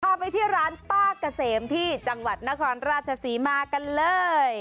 พาไปที่ร้านป้าเกษมที่จังหวัดนครราชศรีมากันเลย